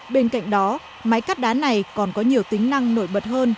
bên cạnh đó máy cắt đá này còn có nhiều tính năng nổi bật hơn